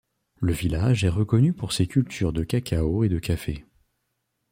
Le village est reconnu pour ses cultures de cacao et de café.